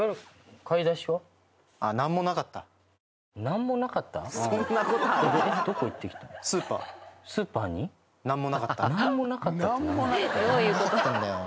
何もなかったんだよ。